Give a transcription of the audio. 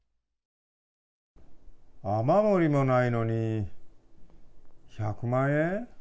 雨漏りもないのに、１００万円？